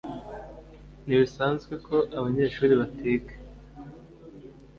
Ntibisanzwe ko abanyeshuri batiga